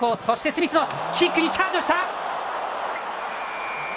スミスのキックにチャージした！